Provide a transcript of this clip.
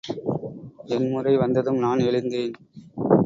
என் முறை வந்ததும் நான் எழுந்தேன்.